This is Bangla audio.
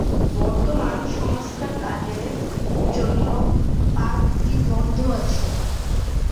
বর্তমানে সংস্কার কাজের জন্য পার্কটি বন্ধ আছে।